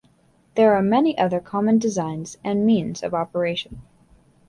There are many other common designs and means of operation.